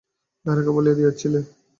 বেহারাকে বলিয়া দিয়াছিলে!